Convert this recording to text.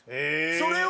それを。